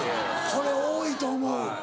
これ多いと思う。